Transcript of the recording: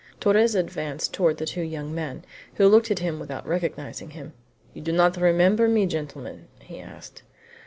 Torres advanced toward the two young men, who looked at him without recognizing him. "You do not remember me, gentlemen?" he asked.